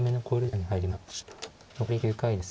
残り４回です。